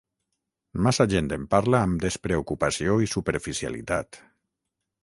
Massa gent en parla amb despreocupació i superficialitat